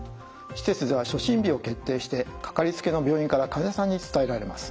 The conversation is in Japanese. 施設では初診日を決定してかかりつけの病院から患者さんに伝えられます。